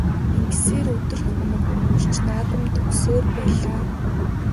Ингэсээр өдөр хоног өнгөрч наадам дөхсөөр байлаа.